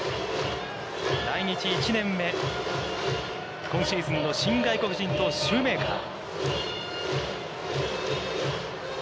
来日１年目、今シーズンの新外国人投手、シューメーカー。